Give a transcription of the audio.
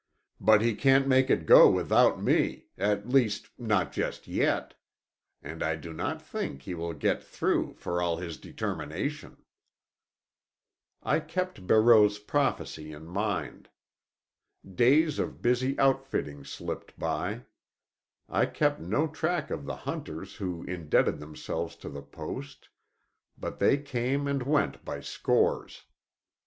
"But he can't make it go without me; at least, not just yet. And I do not think he will get through, for all his determination." I kept Barreau's prophecy in mind. Days of busy outfitting slipped by; I kept no track of the hunters who indebted themselves to the post, but they came and went by scores.